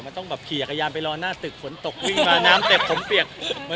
มันต้องแบบขี่จักรยานไปรอหน้าตึกฝนตกวิ่งมาน้ำเต็มผมเปียก